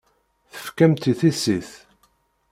Tefkam-tt i tissit.